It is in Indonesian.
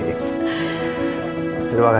selamat ya pak